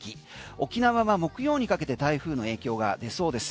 沖縄は木曜にかけて台風の影響が出そうです。